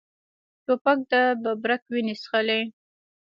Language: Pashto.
توپک د ببرک وینې څښلي.